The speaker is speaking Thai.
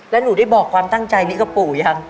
แล้วหนูได้บอกความตั้งใจนี้กับปู่ยัง